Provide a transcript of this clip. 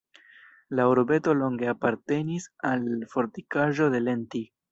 La urbeto longe apartenis al fortikaĵo de Lenti.